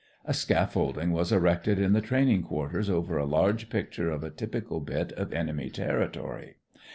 A scaffolding was erected in the training quarters over a large picture of a typical bit of enemy territory.